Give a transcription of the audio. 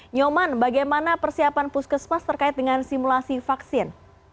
nyoman bagaimana persiapan puskesmas terkait dengan simulasi vaksin